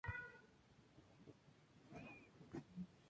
Este disco es la tercera parte de las sagas de cómics "The Amory Wars".